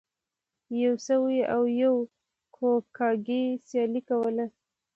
یو سوی او یو کواګې سیالي کوله.